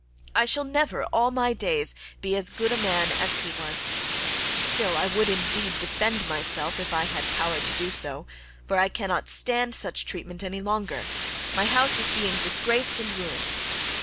I shall never all my days be as good a man as he was, still I would indeed defend myself if I had power to do so, for I cannot stand such treatment any longer; my house is being disgraced and ruined.